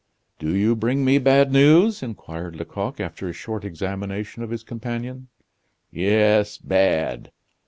"Do you bring me bad news?" inquired Lecoq, after a short examination of his companion. "Yes, bad."